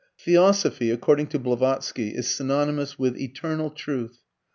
] Theosophy, according to Blavatsky, is synonymous with ETERNAL TRUTH.